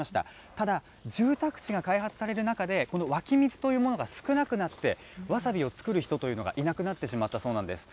ただ、住宅地が開発される中で、この湧き水というものが少なくなって、わさびを作る人というのがいなくなってしまったそうなんです。